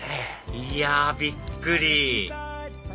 いやびっくり！